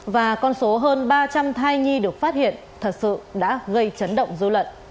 và con số hơn ba trăm linh thai nhi được phát hiện thật sự đã gây chấn động dư luận